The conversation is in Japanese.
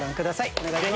お願いします。